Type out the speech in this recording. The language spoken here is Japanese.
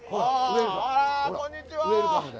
あぁこんにちは。